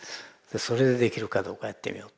それでできるかどうかやってみよう。